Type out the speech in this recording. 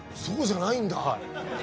そうじゃないんだ。